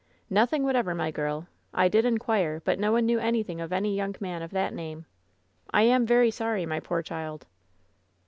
"Nothing whatever, my girll I did inquire, but no one knew anything of any young man of that name. I am very sorry, my poor child."